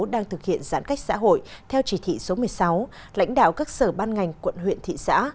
đang thực hiện giãn cách xã hội theo chỉ thị số một mươi sáu lãnh đạo các sở ban ngành quận huyện thị xã